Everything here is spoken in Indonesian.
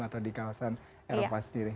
atau di kawasan eropa sendiri